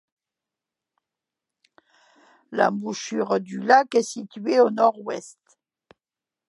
L'embouchure du lac est situé au nord-ouest.